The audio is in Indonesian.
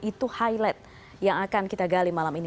itu highlight yang akan kita gali malam ini